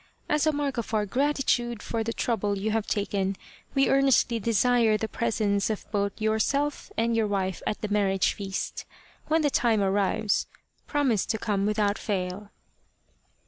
As a mark of our gratitude for the trouble you have taken, we earnestly desire the presence of both yourself and your wife at the marriage feast. When the time arrives promise to come with out fail."